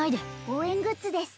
応援グッズです